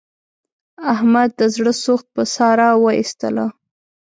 احمد د زړه سوخت په ساره و ایستلا.